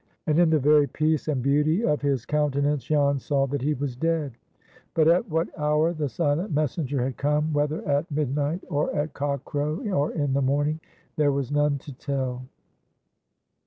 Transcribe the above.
And in the very peace and beauty of his countenance Jan saw that he was dead. But at what hour the silent messenger had come—whether at midnight, or at cock crow, or in the morning—there was none to tell.